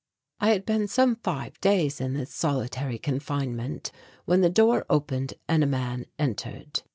I had been some five days in this solitary confinement when the door opened and a man entered.